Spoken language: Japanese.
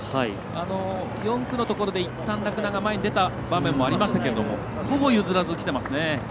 ４区のところでいったん、洛南が前に出た場面もありましたがほぼ譲らずきていますね。